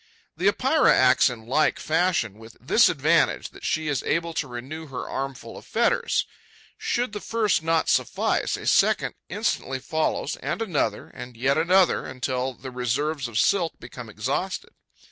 The Epeira acts in like fashion, with this advantage, that she is able to renew her armful of fetters. Should the first not suffice, a second instantly follows and another and yet another, until the reserves of silk become exhausted.